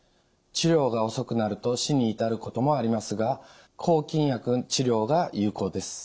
治療が遅くなると死に至ることもありますが抗菌薬治療が有効です。